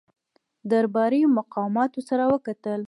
درباري مقاماتو سره وکتل.